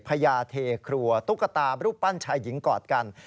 พญาเทครัวตุ๊กตารูปปั้นชายหญิงกอดกัน